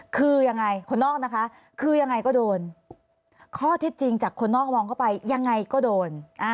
คือยังไงคนนอกนะคะคือยังไงก็โดนข้อเท็จจริงจากคนนอกมองเข้าไปยังไงก็โดน